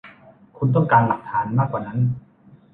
คุณต้องการหลักฐานมากว่านั้น